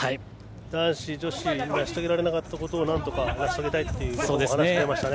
男子、女子で成し遂げられなかったことをなんとか成し遂げたいと話していました。